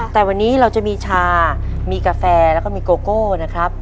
แต่วันนี้เราจะมีชามีกาแฟแล้วก็มีโกโก้นะครับ